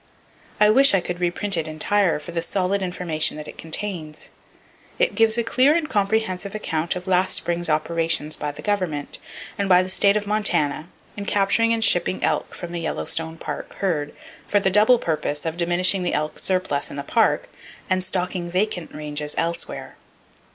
I wish I could reprint it entire, for the solid information that it contains. It gives a clear and comprehensive account of last spring's operations by the Government and by the state of Montana in capturing and shipping elk from the Yellowstone Park herd, for the double purpose of diminishing the elk surplus in the Park and stocking vacant ranges elsewhere.